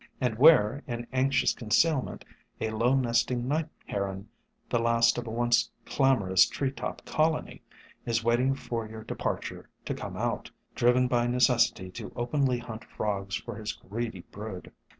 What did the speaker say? and where, in anxious concealment, a low nesting night heron, the last of a once clamorous tree top colony, is waiting for your departure to come out, driven by necessity to openly hunt frogs for his greedy brood.